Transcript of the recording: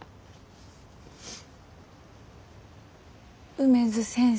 梅津先生。